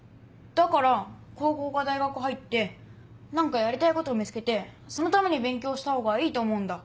だから高校か大学入って何かやりたいことを見つけてそのために勉強したほうがいいと思うんだ。